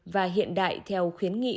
và hiện đại theo khuyến nghị